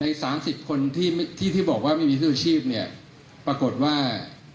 ๓๐คนที่ที่บอกว่าไม่มีชื่อชีพเนี่ยปรากฏว่า